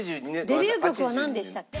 デビュー曲はなんでしたっけ？